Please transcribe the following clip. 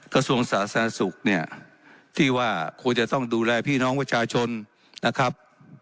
กระทรวงสาธารณสุขเนี่ยที่ว่าควรจะต้องดูแลพี่น้องประชาชนนะครับ